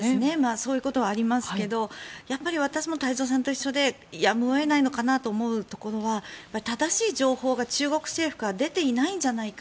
そういうことはありますけどやっぱり私も太蔵さんと一緒でやむを得ないのかなと思うところは正しい情報が中国政府から出ていないんじゃないか